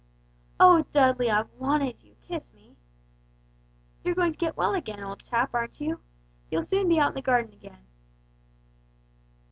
"Oh, Dudley, I've wanted you, kiss me!" "You're going to get well, old chap, aren't you? You'll soon be out in the garden again."